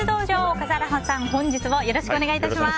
笠原さん、本日もよろしくお願いいたします。